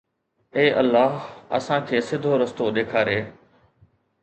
اي الله اسان کي سڌو رستو ڏيکاري